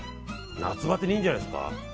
夏バテにいいんじゃないですか？